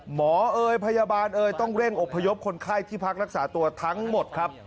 เอ่ยพยาบาลเอ่ยต้องเร่งอบพยพคนไข้ที่พักรักษาตัวทั้งหมดครับ